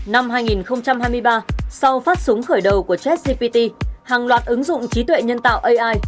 năm hai nghìn hai mươi ba sau phát súng khởi đầu của jcpt hàng loạt ứng dụng trí tuệ nhân tạo ai